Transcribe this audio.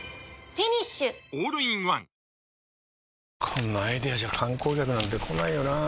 こんなアイデアじゃ観光客なんて来ないよなあ